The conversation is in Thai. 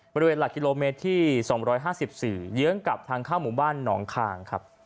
หลักกิโลเมตรที่๒๕๔เยื้องกับทางเข้าหมู่บ้านหนองคางครับ